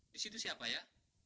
di situ siapa ya